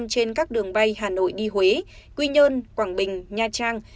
trên các đường bay hà nội đi huế quy nhơn quảng bình nha trang